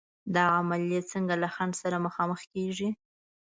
دا عملیې څنګه له خنډ سره مخامخ کېږي؟